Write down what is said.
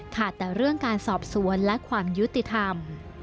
ขาดแต่เรื่องการสอบสวนและความยุติธรรม